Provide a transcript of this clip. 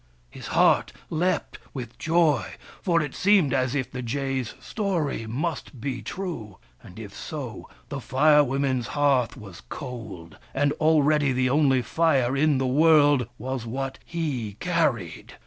His heart leapt with joy, for it seemed as if the jays' story must be true ; and if so, the Fire Women's hearth was cold, and already the only Fire in the world was what he carried.